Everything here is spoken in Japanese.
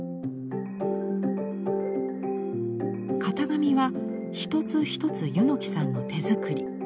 型紙は一つ一つ柚木さんの手作り。